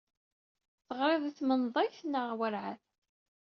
Teɣrid i tmenḍayt neɣ werɛad?